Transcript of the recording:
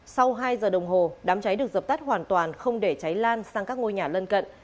sau hai giờ đồng hồ đám cháy được dập tắt hoàn toàn không để cháy lan sang các ngôi nhà lân cận